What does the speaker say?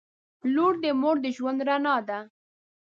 • لور د مور د ژوند رڼا ده.